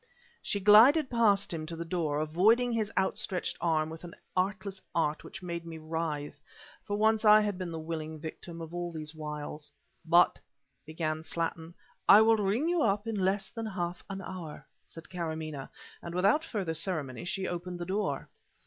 She glided past him to the door, avoiding his outstretched arm with an artless art which made me writhe; for once I had been the willing victim of all these wiles. "But " began Slattin. "I will ring you up in less than half an hour," said Karamaneh and without further ceremony, she opened the door.